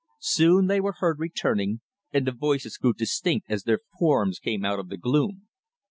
Soon they were heard returning, and the voices grew distinct as their forms came out of the gloom.